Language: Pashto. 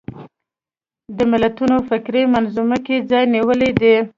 د ملتونو فکري منظومه کې ځای نیولی دی